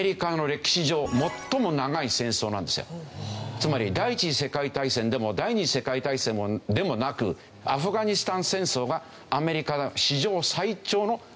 つまり第１次世界大戦でも第２次世界大戦でもなくアフガニスタン戦争がアメリカ史上最長の戦争。